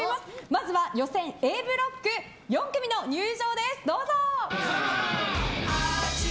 まずは予選Ａブロック４組の入場です。